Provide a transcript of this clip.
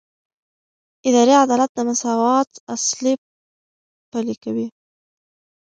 اداري عدالت د مساوات اصل پلي کوي.